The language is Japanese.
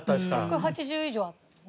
１８０以上あったよね。